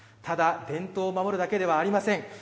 ただ伝統を守るだけではありません。